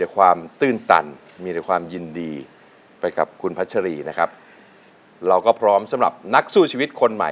เป็นรยชุดปรัสเทพทรายเช้าที่การผู้เพจตาย